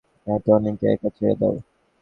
আর টনিকে একা ছেড়ে দাও।